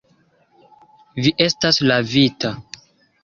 Vi estas lavita.